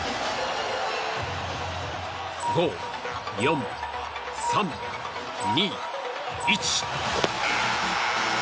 ５、４、３、２、１。